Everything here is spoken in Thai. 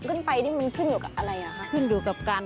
มีน้ำสี่หมื่นด้วย